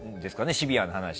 シビアな話。